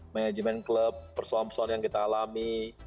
manajemen klub persoalan persoalan yang kita alami